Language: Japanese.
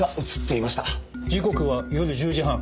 時刻は夜１０時半。